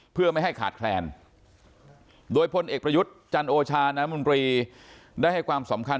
เพื่อไม่ให้ขาดแคลนโดยพลเอกประยุทธ์จันโอชาน้ำมนตรีได้ให้ความสำคัญ